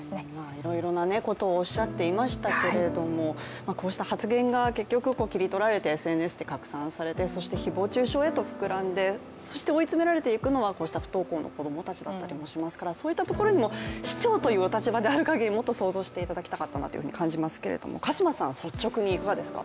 いろいろなことをおっしゃっていましたけれども、こうした発言が結局切り取られてＳＮＳで拡散されてそして誹謗中傷へと膨らんで、そして追い詰められていくのはこうした不登校の子供たちだったりもしますからそういったところにも市長という立場である限りもっと想像していただきたかったと感じますけれども、率直にいかがですか？